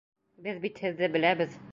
Беҙ бит һеҙҙе беләбеҙ!